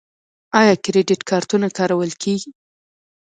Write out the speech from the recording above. آیا کریډیټ کارتونه کارول کیږي؟